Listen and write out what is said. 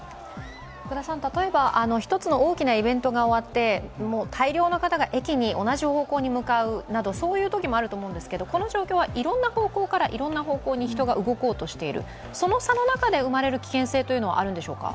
例えば１つの大きなイベントが終わって大量の方が駅に、同じ方向に向かうなど、そういうときもあると思うんですけど、この状況はいろんな方向からいろんな方向に人が動こうとしている、その差の中で生まれる危険性というのはあるんでしょうか？